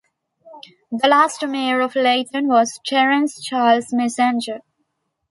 The last Mayor of Leyton was Terence Charles Messenger.